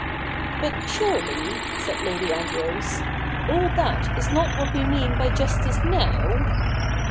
' But surely," said Lady Ambrose, 'all that is not what we mean by justice now